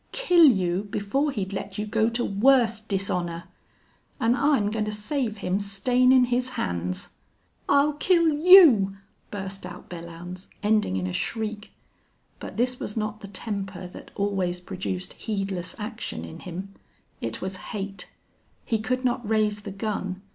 "Kill you before he'd let you go to worse dishonor!... An' I'm goin' to save him stainin' his hands." "I'll kill you!" burst out Belllounds, ending in a shriek. But this was not the temper that always produced heedless action in him. It was hate. He could not raise the gun.